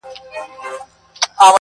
کارګه نه وو په خپل ژوند کي چا ستایلی!